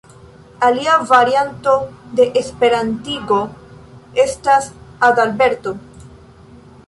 Alia varianto de esperantigo estas "Adalberto".